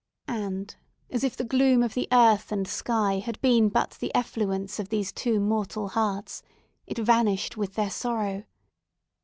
And, as if the gloom of the earth and sky had been but the effluence of these two mortal hearts, it vanished with their sorrow.